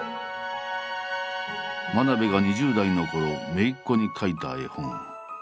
真鍋が２０代のころめいっ子に描いた絵本。